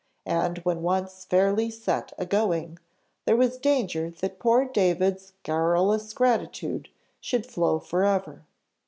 And when once fairly set a going, there was danger that poor David's garrulous gratitude should flow for ever.